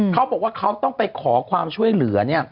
เขาบอกว่าเขาต้องไปขอความช่วยเหลือเนี่ย